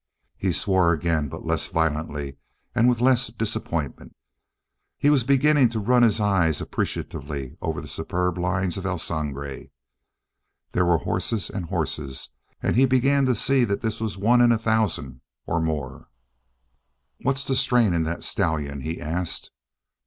He swore again, but less violently and with less disappointment. He was beginning to run his eyes appreciatively over the superb lines of El Sangre. There were horses and horses, and he began to see that this was one in a thousand or more. "What's the strain in that stallion?" he asked.